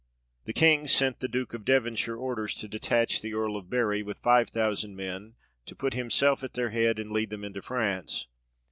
The King sent the Duke of Devonshire orders to detach the Earl of Bury with five thousand men, to put himself at their head, and lead them into France.